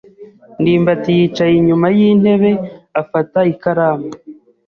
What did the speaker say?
ndimbati yicaye inyuma yintebe afata ikaramu.